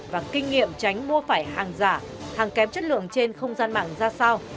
và kinh nghiệm tránh mua phải hàng giả hàng kém chất lượng trên không gian mạng ra sao